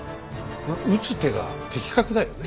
打つ手が的確だよね。